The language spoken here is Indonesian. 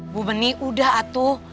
bu beni udah atuh